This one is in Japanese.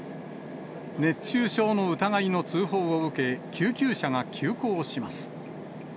熱中症の疑いの通報を受け、救急車が急行します。